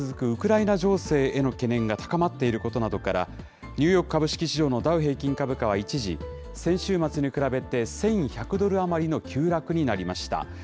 ウクライナ情勢への懸念が高まっていることなどから、ニューヨーク株式市場のダウ平均株価は一時、先週末に比べて１１００ドル余りの急落になりました。